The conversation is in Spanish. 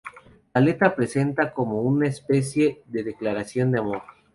La letra presenta como una especie de declaración de amor.